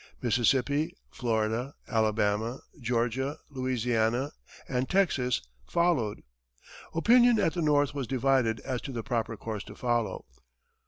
Mississippi, Florida, Alabama, Georgia, Louisiana and Texas followed. Opinion at the North was divided as to the proper course to follow.